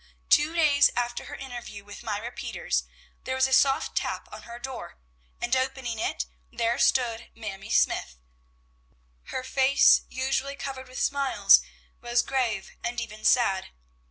Two days after her interview with Myra Peters, there was a soft tap on her door, and opening it, there stood Mamie Smythe! Her face, usually covered with smiles, was grave and even sad.